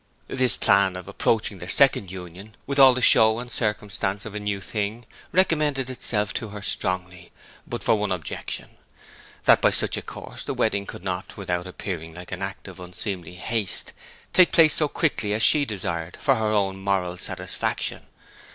This plan of approaching their second union with all the show and circumstance of a new thing, recommended itself to her strongly, but for one objection that by such a course the wedding could not, without appearing like an act of unseemly haste, take place so quickly as she desired for her own moral satisfaction.